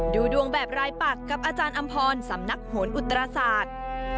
ดูดวงแบบรายปักกับอาจารย์อำพรสำนักโหนอุตราศาสตร์